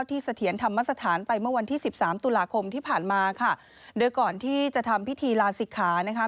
เสถียรธรรมสถานไปเมื่อวันที่สิบสามตุลาคมที่ผ่านมาค่ะโดยก่อนที่จะทำพิธีลาศิกขานะคะ